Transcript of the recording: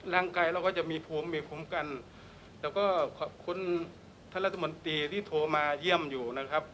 เราก็จะมีภูมิมีภูมิกันแล้วก็ขอบคุณท่านรัฐมนตรีที่โทรมาเยี่ยมอยู่นะครับ